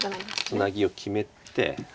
ツナギを決めて。